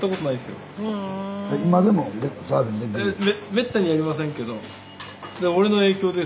めったにやりませんけど。